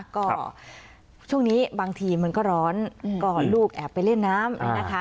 ก็ช่วงนี้บางทีมันก็ร้อนก่อนลูกแอบไปเล่นน้ำนะคะ